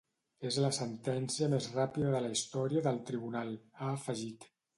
És la sentència més ràpida de la història del tribunal –ha afegit–.